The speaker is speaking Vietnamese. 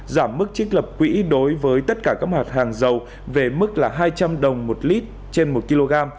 giảm mức trích lập quỹ đối với tất cả các mặt hàng dầu về mức là hai trăm linh đồng một lít trên một kg